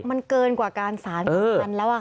มันเกินกว่าการสารสัมพันธ์แล้ว